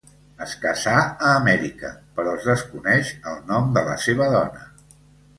Es casà a Amèrica, però es desconeix el nom de la seva dona.